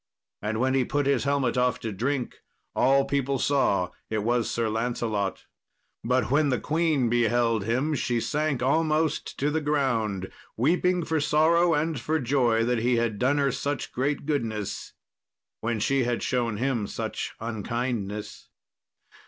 And when he put his helmet off to drink, all people saw it was Sir Lancelot. But when the queen beheld him she sank almost to the ground weeping for sorrow and for joy, that he had done her such great goodness when she had showed him such unkindness.